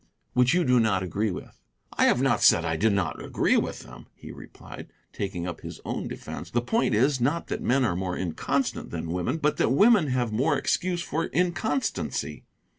"Which you do not agree with." "I have not said I did not agree with them," he replied, taking up his own defence; "the point is not that men are more inconstant than women, but that women have more excuse for inconstancy.